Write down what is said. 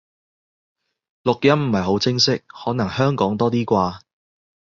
錄音唔係好清晰，可能香港多啲啩